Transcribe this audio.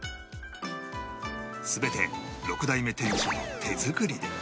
全て６代目店主の手作りで